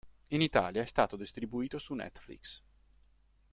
In Italia è stato distribuito su Netflix.